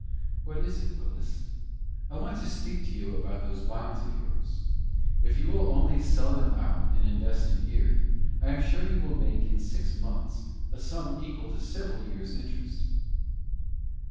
"What is it, Willis?" "I want to speak to you about those bonds of yours. If you will only sell them out, and invest in Erie, I am sure you will make in six months a sum equal to several years interest."